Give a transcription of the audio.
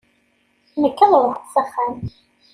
Nekk ad ruḥeɣ s axxam.